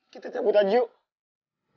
kita cabut aja yuk